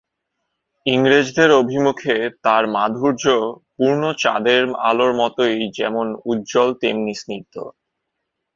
ইংরেজের অভিমুখে তার মাধুর্য পূর্ণচাঁদের আলোর মতোই যেমন উজ্জ্বল তেমনি স্নিগ্ধ।